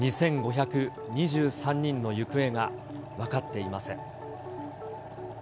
２５２３人の行方が分かっていません。